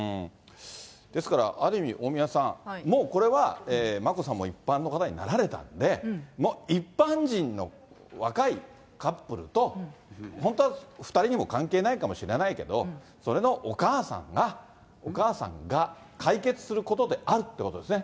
ですからある意味、大宮さん、もうこれは、眞子さんも一般の方になられたんで、もう、一般人の若いカップルと、本当は２人にも関係ないかもしれないけれども、それのお母さんが、お母さんが解決することであるっていうことですね。